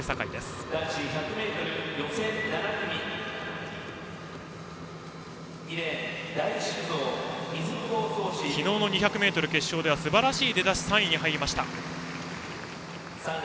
水久保漱至は昨日の２００ｍ決勝ですばらしい出だしで３位に入りました。